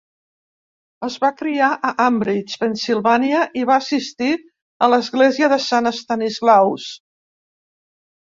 Es va criar a Ambridge, Pennsylvania i va assistir a l'església St. Stanislaus.